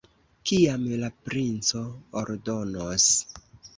Kiam la princo ordonos.